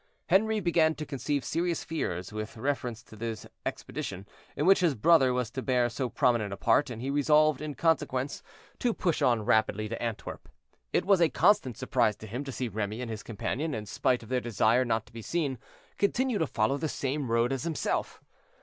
Henri began to conceive serious fears with reference to this expedition, in which his brother was to bear so prominent a part, and he resolved in consequence to push on rapidly to Antwerp. It was a constant surprise to him to see Remy and his companion, in spite of their desire not to be seen, continue to follow the same road as himself.